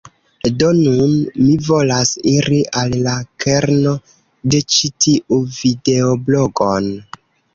Do nun, mi volas iri al la kerno de ĉi tiu videoblogon.